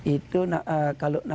itu kalau artinya